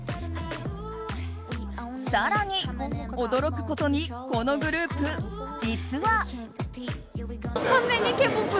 更に、驚くことにこのグループ実は。